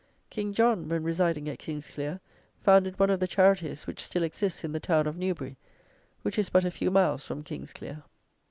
KING JOHN, when residing at Kingsclere, founded one of the charities which still exists in the town of Newbury, which is but a few miles from Kingsclere.